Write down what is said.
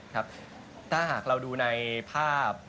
ครับถ้าหากเราดูในภาพ